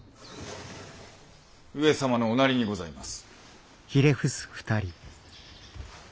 上様のおなりにございます。